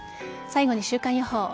最後に週間予報。